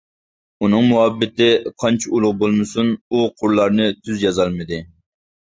ئۇنىڭ مۇھەببىتى قانچە ئۇلۇغ بولمىسۇن ئۇ قۇرلارنى تۈز يازالمىدى.